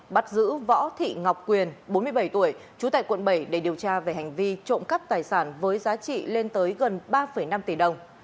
bắt giữ võ thị ngọc quyền bốn mươi bảy tuổi trú tại quận bảy để điều tra về hành vi trộm cắp tài sản với giá trị lên tới gần ba năm tỷ đồng